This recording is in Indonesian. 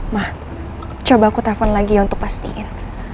mah coba aku telpon lagi ya untuk pastiin